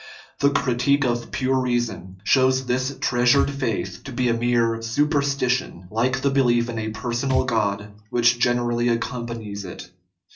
The "critique of pure reason" shows this treasured faith to be a mere superstition, like the belief in a personal God which generally accompanies it.